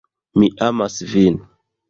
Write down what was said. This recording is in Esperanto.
Mi amas vin!